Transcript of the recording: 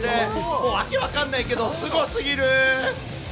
もう訳分かんないけどすごすぎる！